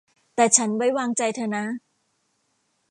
แต่ฉันไว้วางใจเธอนะ